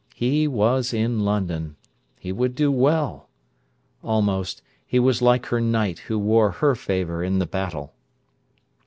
He was in London: he would do well. Almost, he was like her knight who wore her favour in the battle.